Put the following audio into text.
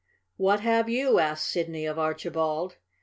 "What have you?" asked Sidney of Archibald.